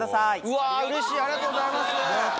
うわうれしいありがとうございます。